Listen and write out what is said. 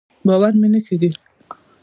باور مې نۀ کېږي.